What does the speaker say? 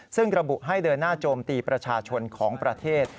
ซึ่งระบุให้เดินหน้าโจมตีประชาชนของประเทศ